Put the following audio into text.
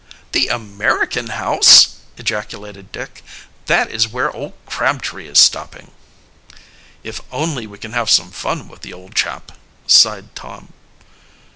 "The American House!" ejaculated Dick. "That is where old Crabtree is stopping." "If only we can have some fun with the old chap!" sighed Tom.